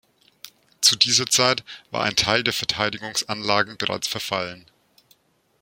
Zu dieser Zeit war ein Teil der Verteidigungsanlagen bereits verfallen.